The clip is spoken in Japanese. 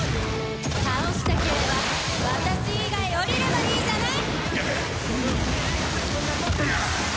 倒したければ私以外降りればいいじゃない！